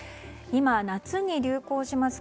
今、夏に流行します